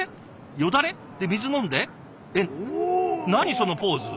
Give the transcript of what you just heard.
よだれ？で水飲んでえっ何そのポーズ！